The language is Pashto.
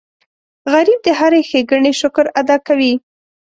غریب د هرې ښېګڼې شکر ادا کوي